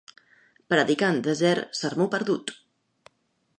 Predicar en desert, sermó perdut.